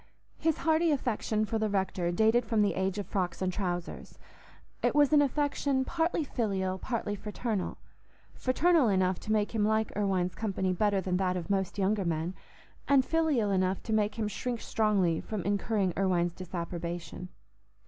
His hearty affection for the rector dated from the age of frocks and trousers. It was an affection partly filial, partly fraternal—fraternal enough to make him like Irwine's company better than that of most younger men, and filial enough to make him shrink strongly from incurring Irwine's disapprobation.